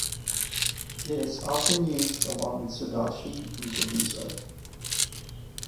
It is often used along with "sudachi" and "kabosu".